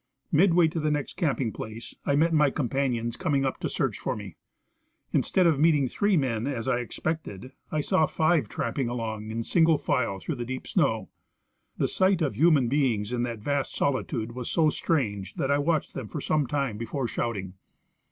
Midway to the next camping place I met my companions coming up to search for me. Instead of meeting three men, as I expected, I saw five tramping along in single file through the deep snow. The sight of human beings in that vast solitude was so strange that I watched them for some time before shouting.